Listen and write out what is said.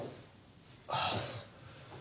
ああ。